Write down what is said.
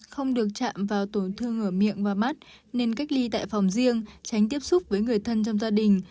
không được chạm vào tổn thương ở miệng và mắt nên cách ly tại phòng riêng tránh tiếp xúc với người thân trong gia đình